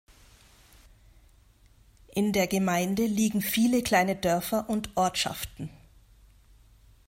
In der Gemeinde liegen viele kleine Dörfer und Ortschaften.